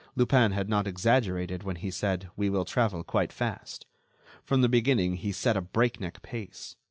Lupin had not exaggerated when he said "we will travel quite fast." From the beginning he set a breakneck pace.